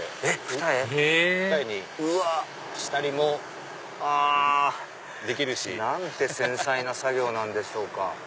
ふた重にしたりもできるし。なんて繊細な作業なんでしょうか。